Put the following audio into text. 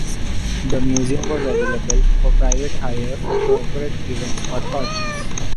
The museum was available for private hire for corporate events or parties.